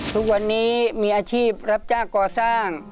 ทุกวันนี้มีอาชีพรับจ้างก่อสร้าง